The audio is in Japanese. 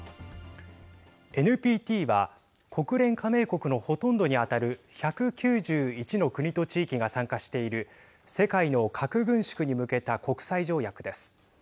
ＮＰＴは国連加盟国のほとんどに当たる１９１の国と地域が参加している世界の核軍縮に向けた国際条約です。